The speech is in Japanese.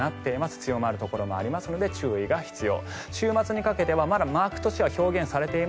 強まるところもありますので注意が必要。